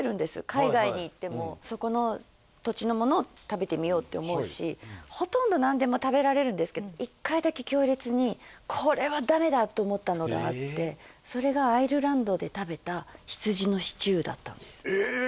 海外に行ってもそこの土地のものを食べてみようって思うしほとんど何でも食べられるんですけど一回だけ強烈にこれはダメだと思ったのがあってそれがアイルランドで食べた羊のシチューだったんですええ